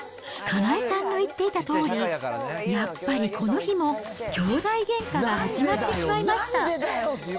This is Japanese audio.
かなえさんの言っていたとおり、やっぱりこの日もきょうだいげんかが始まってしまいました。